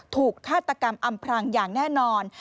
ฆาตกรรมอำพรางอย่างแน่นอน